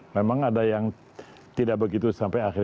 memang ada yang tidak begitu sampai akhir